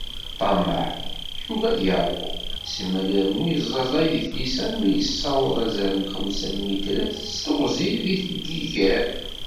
Ṭṭameε, yugi ad yeṛwu, simmal irennu iẓaẓay di tlisa armi yessaweḍ azal n xemsa lmitrat s teɣzi deg yiger.